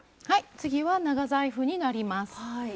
次は長財布になります。